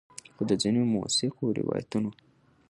خو د ځینو مؤثقو روایتونو